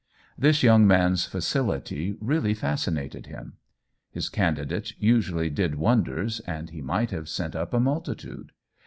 This young man's facility really fascinated him. His candidates usually did wonders, and he might have sent up a multitude.